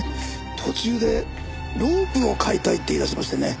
途中でロープを買いたいって言い出しましてね